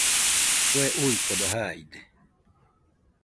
Kue uikode jaide